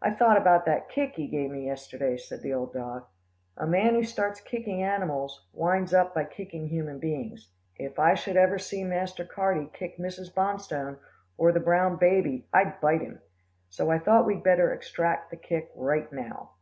"I thought about that kick he gave me yesterday," said the old dog. "A man who starts kicking animals, winds up by kicking human beings. If I should ever see Master Carty kick Mrs. Bonstone, or the brown baby, I'd bite him. So I thought we'd better extract the kick right now."